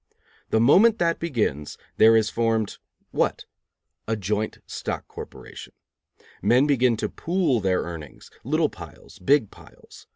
The moment that begins, there is formed what? A joint stock corporation. Men begin to pool their earnings, little piles, big piles.